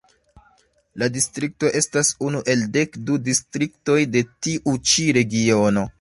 La distrikto estas unu el dek du distriktoj de tiu ĉi Regiono.